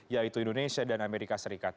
yaitu indonesia dan amerika serikat